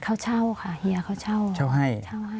เขาเช่าค่ะเฮียเขาเช่าให้